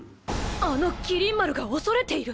あの麒麟丸が恐れている！？